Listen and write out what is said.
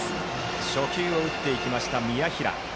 初球を打っていきました、宮平。